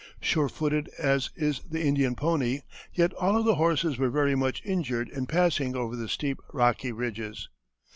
Sure footed as is the Indian pony, yet all of the horses were very much injured in passing over the steep rocky ridges.